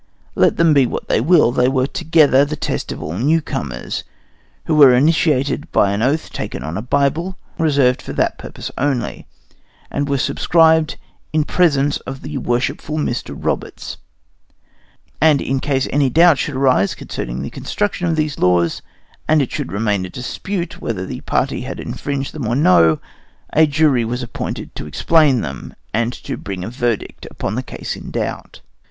Let them be what they will, they were together the test of all newcomers, who were initiated by an oath taken on a Bible, reserved for that purpose only, and were subscribed to in presence of the worshipful Mr. Roberts. And in case any doubt should arise concerning the construction of these laws, and it should remain a dispute whether the party had infringed them or no, a jury was appointed to explain them, and bring in a verdict upon the case in doubt.